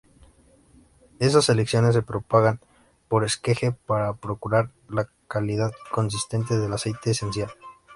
Esas selecciones se propagan por esqueje para procurar la calidad consistente del aceite esencial.